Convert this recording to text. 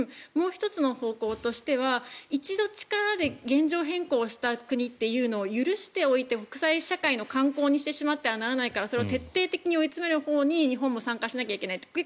もう１つの方向としては一度、力で現状変更した国というのを許しておいて国際社会の慣行にしてはいけないから徹底的に追い詰めるほうに日本も参加しなければいけないと。